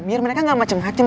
biar mereka gak macem macem